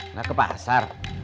nggak ke pasar